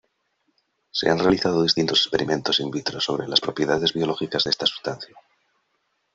Se han realizado distintos experimentos "in vitro" sobre las propiedades biológicas de esta substancia.